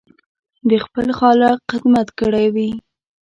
د خپل خالق خدمت کړی وي.